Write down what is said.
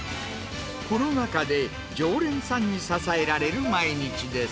コロナ禍で常連さんに支えられる毎日です。